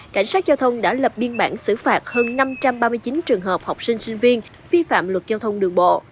cảnh sát giao thông đã lập biên bản xử phạt hơn năm trăm ba mươi chín trường hợp học sinh sinh viên vi phạm luật giao thông đường bộ